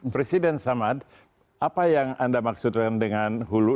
presiden samad apa yang anda maksudkan dengan hulu